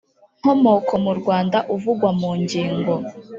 nkomoko mu rwanda uvugwa mu ngingo